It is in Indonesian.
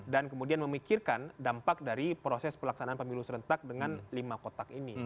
dan kemudian memikirkan dampak dari proses pelaksanaan pemilu serentak dengan lima kotak ini